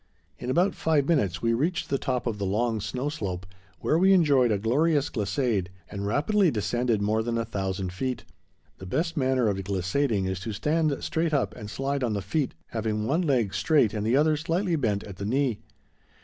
In about five minutes we reached the top of the long snow slope, where we enjoyed a glorious glissade and rapidly descended more than a thousand feet. The best manner of glissading is to stand straight up and slide on the feet, having one leg straight and the other slightly bent at the knee.